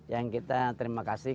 yang kita terima kasih